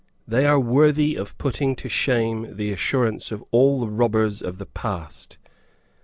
They are worthy of putting to shame the assurance of all the robbers of the past!